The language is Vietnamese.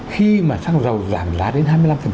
khi mà xăng dầu giảm giá đến hai mươi năm